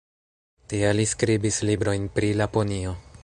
Tie li skribis librojn pri Laponio.